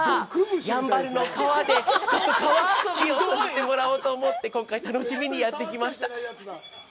やんばるの川で川遊びをさせてもらおうと思って今回楽しみにやってきました。